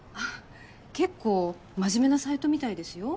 結構真面目なサイトみたいですよ。